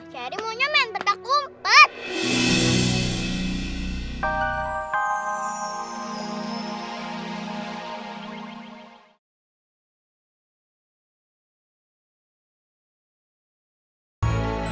cherry maunya main petak umpet